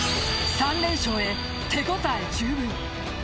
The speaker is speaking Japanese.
３連勝へ、手応え十分。